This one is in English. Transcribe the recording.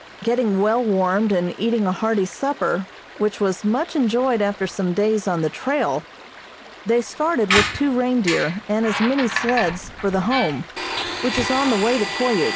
Getting well warmed and eating a hearty supper, which was much enjoyed after some days on the trail, they started with two reindeer and as many sleds for the Home, which is on the way to Koyuk.